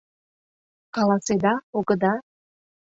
— Каласеда, огыда?!